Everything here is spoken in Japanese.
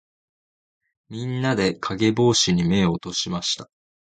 みんなで、かげぼうしに目を落としました。